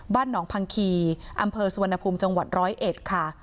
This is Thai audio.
บ้านหนองพังคีอำเภอสุวรรณภูมิจังหวัดร้อยเอ็ดค่ะ